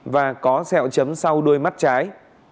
và có sẹo chấm sau đuôi mắt trái